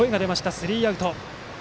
スリーアウト。